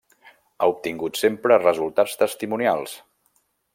Ha obtingut sempre resultats testimonials.